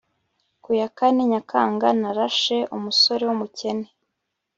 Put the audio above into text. ku ya kane nyakanga, narashe umusore w'umukene